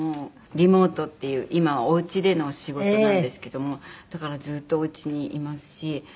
リモートっていう今はおうちでの仕事なんですけどもだからずっとおうちにいますし。